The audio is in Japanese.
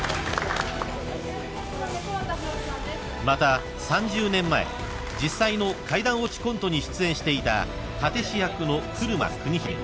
［また３０年前実際の階段落ちコントに出演していた殺陣師役の車邦秀］